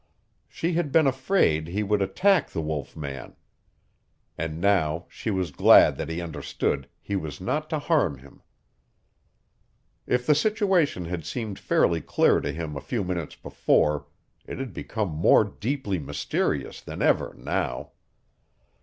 She had been afraid he would attack the wolf man. And now she was glad that he understood he was not to harm him. If the situation had seemed fairly clear to him a few minutes before it had become more deeply mysterious than ever now.